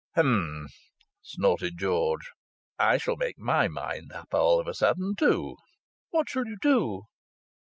"H'm!" snorted George. "I shall make my mind up all of a sudden, too!" "What shall you do?"